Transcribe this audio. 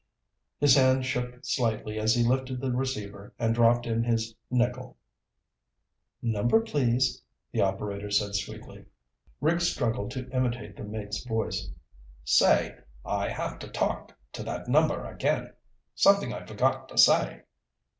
His hand shook slightly as he lifted the receiver and dropped in his nickel. "Number, please?" the operator said sweetly. Rick struggled to imitate the mate's voice. "Say, I have to talk to that number again. Something I forgot to say."